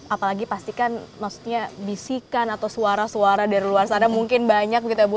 apalagi pastikan maksudnya bisikan atau suara suara dari luar sana mungkin banyak gitu ya bu